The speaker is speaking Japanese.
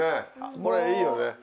これいいよね。